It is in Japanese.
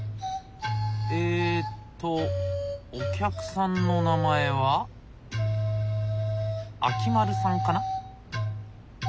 えっとお客さんの名前は秋丸さんかな？